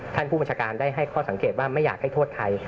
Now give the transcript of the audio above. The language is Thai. ท่านผู้บัญชาการได้ให้ข้อสังเกตว่าไม่อยากให้โทษไทย